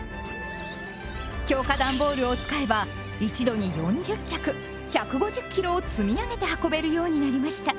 強化ダンボールを使えば一度に４０脚１５０ｋｇを積み上げて運べるようになりました。